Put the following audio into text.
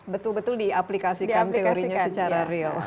betul betul diaplikasikan teorinya secara real